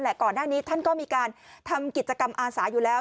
ก่อนหน้านี้ท่านก็มีการทำกิจกรรมอาสาอยู่แล้ว